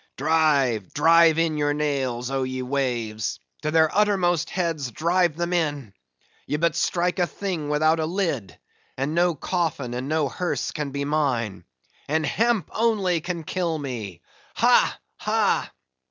"Drive, drive in your nails, oh ye waves! to their uttermost heads drive them in! ye but strike a thing without a lid; and no coffin and no hearse can be mine:—and hemp only can kill me! Ha! ha!"